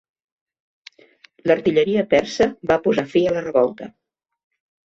L'artilleria persa va posar fi a la revolta.